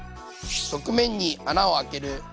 側面に穴を開ける。